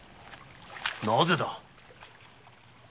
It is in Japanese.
なぜだ？